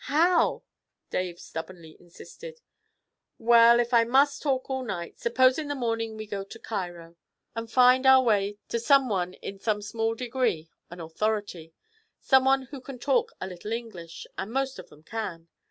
'How?' Dave stubbornly insisted. 'Well, if I must talk all night, suppose in the morning we go to Cairo, and find our way to some one in some small degree an authority some one who can talk a little English, and most of them can.